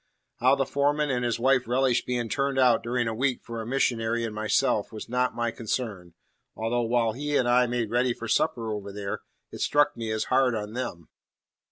How the foreman and his wife relished being turned out during a week for a missionary and myself was not my concern, although while he and I made ready for supper over there, it struck me as hard on them.